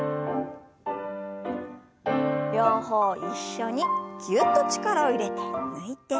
両方一緒にぎゅっと力を入れて抜いて。